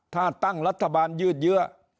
ถ้าตั้งรัฐบาลยืดเยื้อ